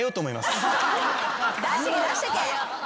出してけ出してけ！